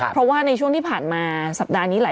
เพราะว่าในช่วงที่ผ่านมาสัปดาห์นี้หลาย